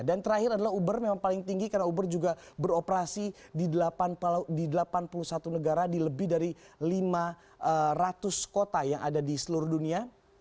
dan terakhir adalah uber memang paling tinggi karena uber juga beroperasi di delapan puluh satu negara di lebih dari lima ratus kota yang ada di seluruh dunia